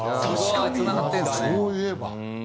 そういえば。